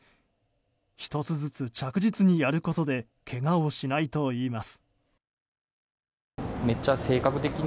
１つずつ着実にやることでけがをしないといいます。